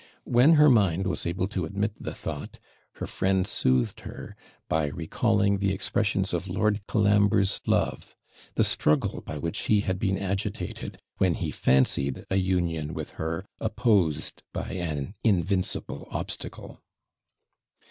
When her mind was able to admit the thought, her friend soothed her, by recalling the expressions of Lord Colambre's love the struggle by which he had been agitated, when he fancied a union with her opposed by an invincible obstacle.